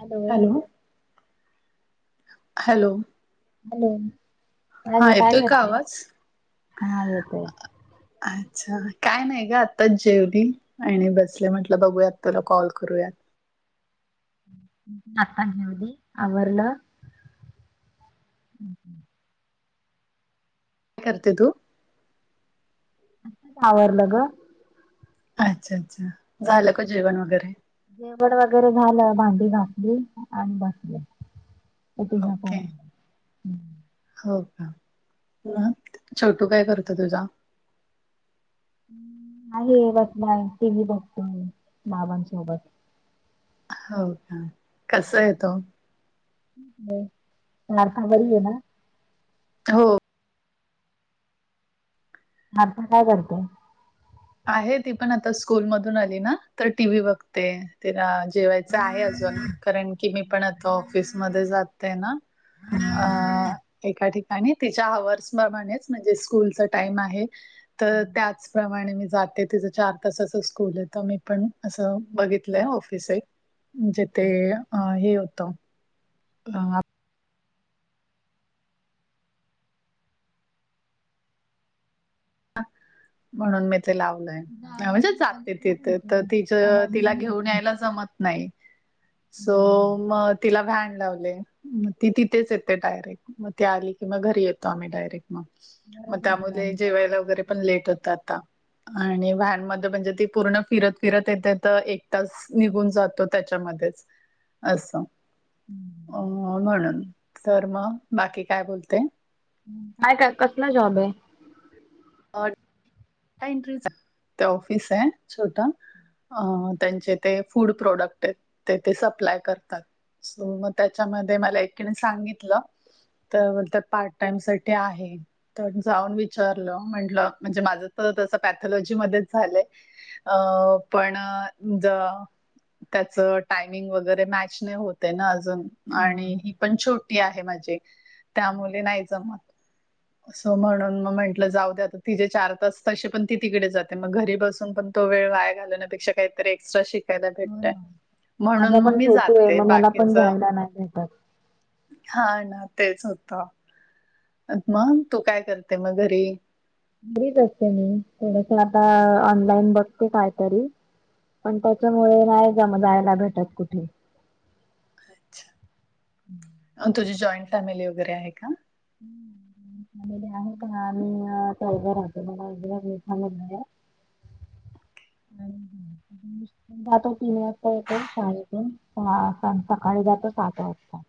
Hello. Hello. हा काजे काय येतोय का करते आवाज हा येतय. अच्छा काय नाही ग आत्ताच जेवली. आणि बसले म्हटलं बघूयात तुला कॉल करूयात. दी आरला. हम् ह. काय करते तू. अस सावरलं ग. अच्छा अच्छा झालं का जेवण वगैरे. जेवण वगैरे झालं भांडी घातली आणि बसले. तुझा फोन ओके. आला. हम्म. हो का छोटू काय करत तुझा. आहे बसलाय, टिवी बघतोय, बाबांसोबत. हो का? कसाय तो? ते सारख भरी आहे ना. हो. आता काय करते. आहे ती पण आता स्कूल मधून आली ना तर टी व्ही बघते तिला. जेवायच आहे अजून,, कारण की मी पण आता ऑफिसमध्ये जातेय ना,, अ,,, एका ठिकाऽ आणि तिच्या आवर्स प्रमाणेच,, म्हणजे स्कूलचा टाइम आहे,, तर हा. त्याचप्रमाणे मीऽ जाते तिचं चार तास अस स्कूल आहे,, तर मी पण असं, बघितलंय ऑफिस एकऽ म्हणजे ते,, अं,, हे होतं. आं,, म्हणून मी ते लावऽ तुझा आवाज म्हणजे रुपाली जाते कट तिथे,, तर होतोय ति, आवाज तिला नाही घेऊन येते. यायला जमत नाही. सो,, हम्म. मग तिला व्हॅन लावलेऽ ती तिथेच येते डायरेक्ट,, मग ती आली कि मग घरी येतो आम्ही डायरेक्ट. बरं मग झालं त्यामुळे लाईन ते जेवायला वगैरे पण लावलीस. लेट होत आता. आणि व्हॅन मध्ये, म्हणजे ती पूर्ण फिरत फिरत येते तर, एक तासऽ निघून जातो त्याच्यामध्येच,, असं. हम्म. अं,, म्हणून,, तर मग बाकी काय बोलते? काय का कसला जॉब य? ट ते ऑफिस आहे, छोटं, त्यांचेऽ ते फूड प्रोडक्ट आहेत,, ते ते सप्लाय करतात. सो, मग त्याच्यामध्ये मला एकीने सांगितलं,, तर त्या बोलतात पार्ट टाइम साठी आहे,, तर जाऊन विचारलं,, म्हटलं म्हणजे माझंऽ तर तसं पॅथलॉजी मध्येच झालंय,, अं,, पण जऽ त्याच टायमिंग वगैरे मॅच नाही होते ना अजून,, हा. आणिऽ पण छोटी आहे माझी,, त्यामुळे नाही जमतऽ असं म्हणून मग म्हंटलं जाऊ दे आता,, तिचेे चार तासऽ तशी पण ती तिकडे जाते, मग घरी बसून पण तो वेळ वाया घालण्यापेक्षा,, काहीतरी एक्ट्रा शिकऽ हो भेटतय,, ना. माझा म्हणून मग पण मी छोटू आहे जाते,, मग मला पण बाकीचऽ जायला नाही भेटत. हा ना,, तेच होतं. अ मग,, तू काय करते मग घरी? घरीच असते मी,, ते आता ऑनलाईन बघते कायतरी,, पण त्याच्यामुळे नाही जा म जायला भेटत कुठे. अच्छा,, अं, तुझी जॉइंट फॅमिली वगैरे आहे का? झालेले आहे, पण आम्ही, चौग राहतो, मला एकदा मोठांऽ [inaudible] आणि जातो, तिन वाजता येतो शाळेतून. सकाळी जातो सात वाजता.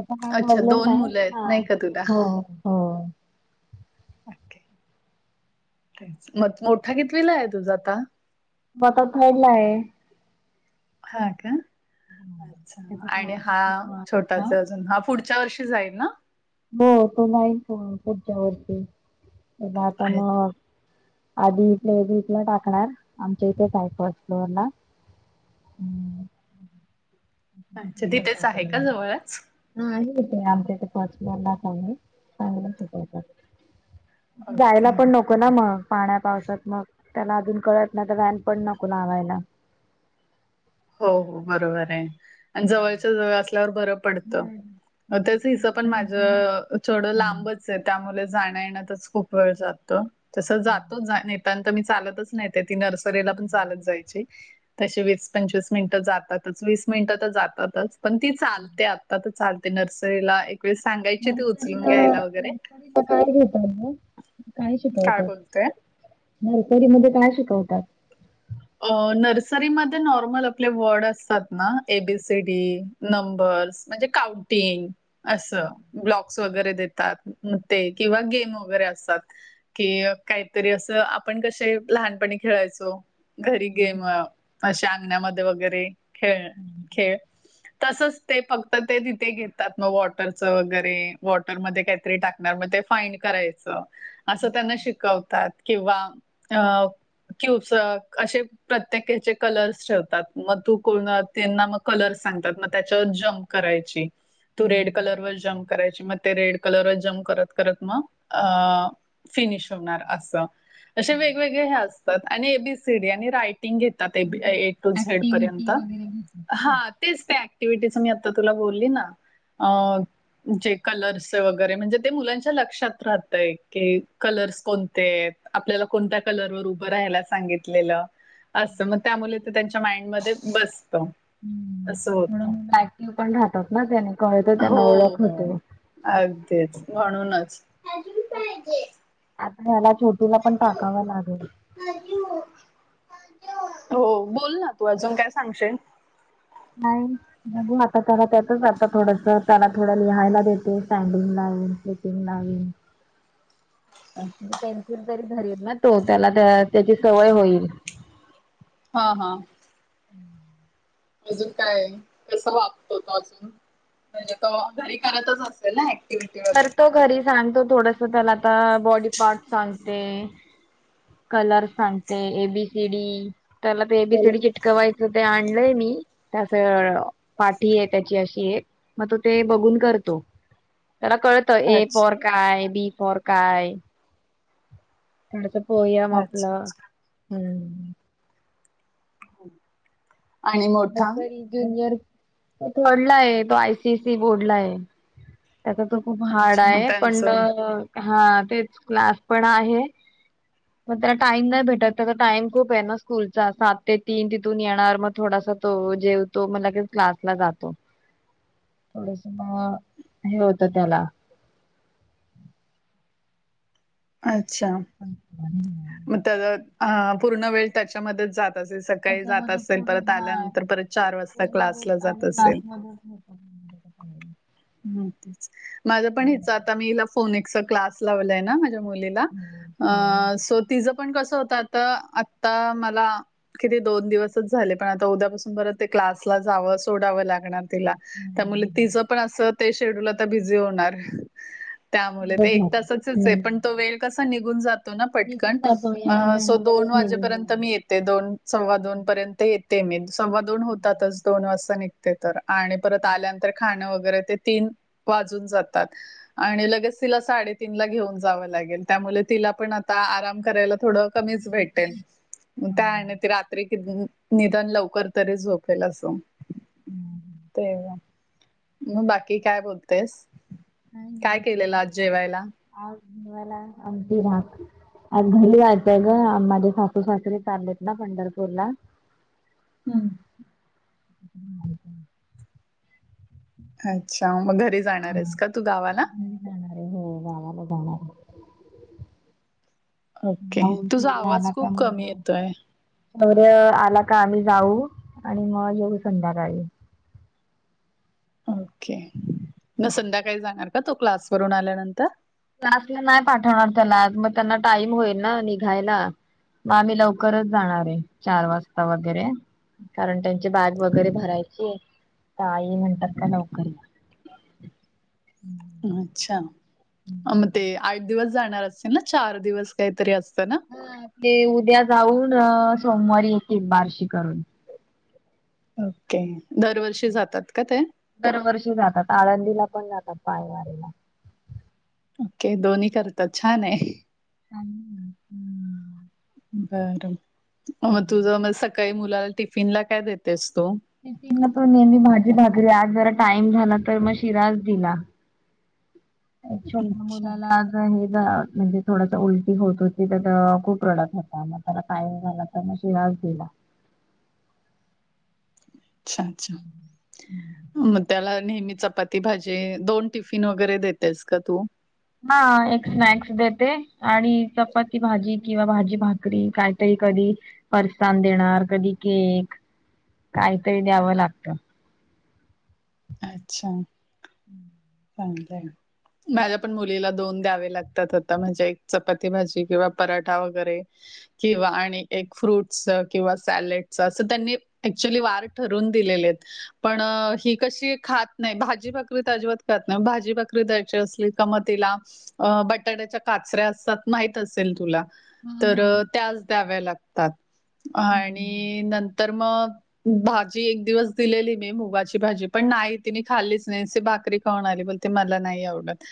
अस काय अच्छा प्रॉब्लेम दोन नाही,, मुलं आहेत हां,, नाही का तुला? हो, हो. मग,, मोठा कित विला आहे तुझा आता? बता फरला आहे. हा का,, अच्छा,, त्याचा आणि क्लास हा असतो सहा छोटा वाजता अजून,, हऽ पुढच्या वर्षी जाईल ना. हो, तो नाही पुढच्या वरषी, त्यला आता मऽ आधी इथले इथलं टाकणार,, आमच्या इथेच आहे फर्स्ट फ्लोअर ला. [inaudible] अच्छा,, तिथेच आहे का जवळच? नाही इथ आमच्या इथ पाचला सांग चांगलंवत जायला ओके पण नको नको ना मग पाण्या पावसात मग त्याला अजून कळत नाही तर व्हॅन पण नको लावायला हो हो, बरोबर आहे, आणि जवळच्या जवळ असल्यावर बरं पडतं. त्याच हिस पण माझ, नर्सरीला थोडं लांबचऽ त्यामुळे जाण येन्यातच खूप वेळ जातो,, तस जातो नायतर मी चालतच नऽ त नर्सरीला पण चालत जायची,, तशी वऽ पंचवीस मिनिटं जातातच,, वीस मिनिटं तर जातातच,, पण ती चालते,, आता तर चालते, नर्सरीला एकऽ सांगायची ते उचलून घ्यायला वगैरे नर्सरीला काय घेतात ग काय बोलतय नर्सरी मध्ये काय शिकवतात अ नर्सरीमध्ये नॉर्मल आपले वर्ड असतात ना एबीसीडी नंबर्स म्हणजे काउंटिंग असं ब्लॉक्स वगैरे देतात ते किंवा गेम वगैरे असतात कि काहीतरी असं आपण कसे लहानपणी खेळायचो घरी गेम अशी अंगण्यामध्ये वगैरे खेळ खेळ तसच ते फक्त ते तिथे घेतात मग वॉटरचं वगैरे वॉटरमध्ये काहीतरी टाक मग ते फाईन करायचं असं त्यांना शिकवतात किंवा अ क्यूब्स असे प्रत्येकाचे कलर्स ठेवतात. मग तू कोण? त्यांना मग कलर सांगतात. मग त्याच्यावर जम्प करायची. तू रेड म्हणजे कलरवर जम्प करायची. मग- ते रेड कलर जम्प करत करत मग अ फिनिश होणार असं. असे वेगवेगळे हे असतात. आणि ए बी सी डी आणि रायटिंग घेत- तात ए टू झेड पर्यंत. ऍक्टिव्हटी वगैरे घेतात हा. तेच त्या ऍक्टिव्हटीच. मी आत्ता तुला बोलली ना? अ- जे कलर्सचे वगैरे. म्हणजे ते मुलांच्या लक्षात राहतय. की कलर्स कोणते आहेत? आपल्याला कोणत्या कलरवर उभं राहायला सांगित- लेलं. अस मग त्यामुळे त्यांच्या माइंड मध्ये बसत. हं. हं. म्हणून एक्टीव पण राहतात ना? त्याने कळत हो, त्यांना ओळख हो. होते. अगदीच. म्हणूनच. आपल्याला छोटूला पण टाकाव लागल. हो. बोल ना तू. अजून काय सांगशील? नाही. म्हणूून आता त्याला त्याचच आता, थोडस त्याला थोडं लिहायला देते स्टँडिंग लाइन - [unintelligible] हम पेन्सिल तरी धरील ना तो? त्याला त्याची सवय होईल. हा हा. अजून काय? कस वागतो तो अजून? म्हणजे तो घरी करतच असेल ना? ऍक्टि- करतो घरी सांगतो थोडस. त्याला आता बॉडी पार्ट सांगते- कलर सांगते. ए बी सी डी त्याला ते ए बी सी डी चिटकवायच- यच ते आणलंय मी. ते असं पाटी आहे त्याची अशी एक. मग तो ते बघून करतो. त्याला कळत- त. ए अच्छा, फाॅर काय? बी फाॅर काय? थोडस पोएम अच्छा, आपलं. अच्छा हम्म. ह. Nursery, junior. थर्ड ला आहे तो आय सी ये सी बोर्ड ला आहे. त्याच तर खूप हार्ड अच्छा मग आहे. पण त्यांचं हा. तेच क्लास पण आहे. मग त्याला टाइम नाही भेटत. त्याचा टाइम खूप आहे ना स्कूलचा. सात ते तीन तिथून येणार मग- थोडासा तो जेवतो. मग लगेच क्लासला जातो. थोडस मग हे होतं त्याला. अच्छा. [unintelligible] त्याचा हां. पूर्ण वेळ त्याच्यामध्येच जात- तसेेच सकाळी जात त्याच्यामध्ये असेल. पुढे परत हा आल्यानंतर परत चार वाजता स्कूलमध्येच क्लासला आणि जात असेल. [unintelligible] हं तेच. माझ पण हम्म, हीच आता मी हिला फोनिक्सचा क्लास लावलाय ना? माझ्या- मुलीला. हम्म, अ सो तिचं पण कसं होत आता? आत्ता मला- किती दोन दिवसच झाले. पण आता उद्यापासून परत ते क्लासला जावं, सोडावं लागणार. तिला. त्यामुळे हम्म. तिचं पण असं ते शेड्यूल आता बिझी होणार. त्यामुळे. बरं ते एक झालं. तासाचच आहे. हम्म. पण तो वेळ कसा निघून जातो- तो ना निघून पटकन. जातो येण्या सो दोन जाण्यामध्येच निघून वाजेपर्यंत जातो. मीे ये - ते दोन सव्वा दोन पर्यंत येते मी. सव्वा दोन होतातच. दोन वाजता निघ - ते तर आणि परत आल्यानंतर खाणं वगैरे ते तीन वाजून जातात. आणि लगेच तिला साडेतीन ला घेऊन जावं लागेल. त्यामुळे तिला पण आता आराम करायला- थोडं कमीच भेटेल. त्या आणि ती रात्री कि- निदान लवकर तरी झोपेल. अस. ते- मग बाकी काय बोलतेस? [unintelligible] काय केलेलं आज जेवायला? आज बनवलाय आमटी भात. आज घरी जायचंय ग माझे सासू सासरी चाललेत ना पंढरपूर ला हम्म अच्छा मग घरी जाणार आहेस का तू गावाला जाणारे हो गावाला जाणार ओके. हो तुझा शौर्य आवाज आला का खूप कमी म्हण येतोय. सौर्य आला का आम्ही जाऊ आणि मग येऊ संध्याकाळी ओके ना संध्याकाळी जाणार का तो क्लासवररून आल्यानंतर क्लासला नाही पाठवणार त्याला मग त्यांना टाईम होईल ना निघायला मग आम्ही लवकरच जाणार आहे चार वाजता वगैरे कारण त्यांची बॅग वगैरे भरायची तर आई म्हणतात का लवकरी अच्छा मग ते आठ दिवस जाणार असतील ना चार दिवस काहीतरी असत ना ते उद्या जाऊन सोमवारी येतील बार्शी करून ओके दरवर्षी जातात का ते दरवर्षी जातात आळंदीला पण जातात पायवारीला ओके दोन्ही करतात छान आहे बरं मग तुझ म सकाळी मुलाला टिफिन ला काय देतेस तू तो नेहमी भाजी भाकरी आज जरा टाइम झाला तर मग शिरास दिला [unintelligible] एक छोट्या अच्छा. मुलाला हे म्हणजे थोडसा उलटी होत होती तर खूप प्रोडक्ट होता मग त्याला काय झालं लास दिला अच्छा अच्छा मग त्याला नेहमी चपाती भाजी दोन टिफिन वगैरे देतेस का तू हा एक स्नॅक्स देते आणि चपाती भाजी किंवा भाजी भाकरी कायतरी कधी परसान देणार कधी केक काहीतरी द्यावं लागतं अच्छा पज [unintelligible] माझ्या पण मुलीला दोन द्यावे लागतात होता म्हणजे एक चपाती भाजी किंवा पराठा वगैरे किंवा आणि एक फ्रूट किंवा सॅलेडच असं त्यांनी ऍक्च्युली वार ठरून दिलेले आहेत पण ही कशी खात नाही भाजीपाकरी त अजिबात ना भाजी भाकरी द्यायची असली कम तला अ बटाट्याच्या काचऱ्या असतात माहित असेल तुला काय तर त्याच द्याव्या लागतात आणि नंतर मग भाजी एक दिवस दिलेली मी मुगाची भाजी पण नाही ति नी खाल्लीच नाही भाकरी म्हणली पण ते मला नाही आवडत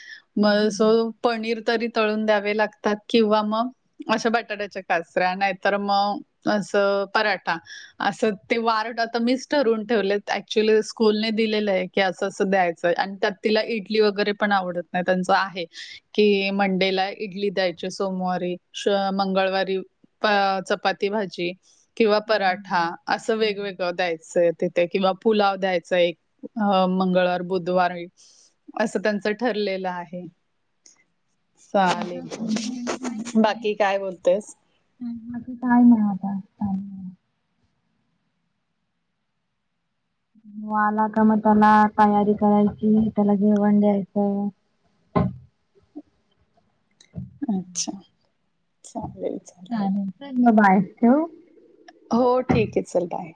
मग सो पनीर तरी तळून द्यावे लागतात किंवा मग अशा बटाट्याच्या काचऱ्या नाहीतर मग असं पराठा असं ते वारट आता मस ठरवून ठेवले ऍक्च्युली स्कूलने दिलेलं आहे की असं असं द्यायचंय आणि त्यात तिला इडली वगैरे पण आवडत नाही त्यांचं आहे कि मंडेला इडली द्यायचे सोमवारी मंगळवारी अ चपाती भाजी किंवा पराठा असं वेगवेगळं द्यायचंय तिथे किंवा पुलाव द्यायच एक अ मंगळवार बुधवार असं त्यांचं ठरलेलं आहे चालेल नाहीये बाकी काय बोलतेस काय नाही आता का [unintelligible] आला का मग त्याला तयारी करायची त्याला जेवण द्यायचं अच्छा चालेल चालेल चल मग बाय ठेऊ हो ठीक आहे चल बाय